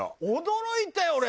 驚いたよ俺！